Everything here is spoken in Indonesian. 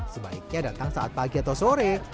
sebaiknya datang saat pagi atau sore